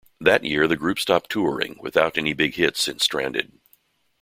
That year the group stopped touring, without any big hits since "Stranded".